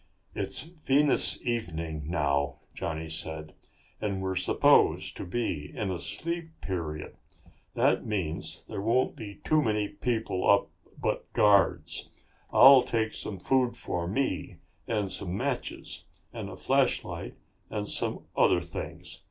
"It's Venus evening now," Johnny said, "and we're supposed to be in a sleep period. That means there won't be too many people up but guards. I'll take some food for me and some matches and a flashlight and some other things."